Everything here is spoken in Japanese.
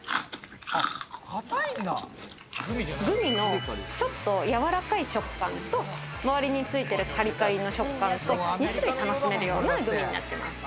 グミのちょっとやわらかい食感と周りについているカリカリの食感と２種類楽しめるグミになっています。